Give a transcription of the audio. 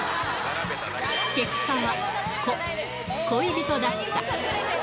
結果はこ、恋人だった。